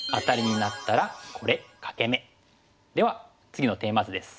では次のテーマ図です。